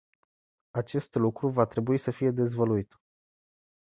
Acest lucru va trebui să fie dezvăluit.